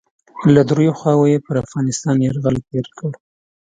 له دریو خواوو یې پر افغانستان یرغل پیل کړ.